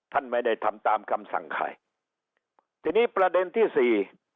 ท่านไม่ได้ทำตามคำสั่งใครทีนี้ประเด็นที่สี่